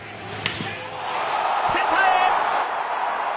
センターへ。